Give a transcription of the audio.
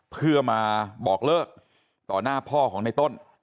เพื่อมาบอกเลิกต่อหน้าพ่อของในต้น